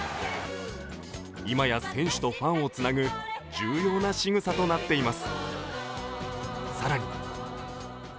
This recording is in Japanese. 今や選手とファンをつなぐ重要な選手となっています。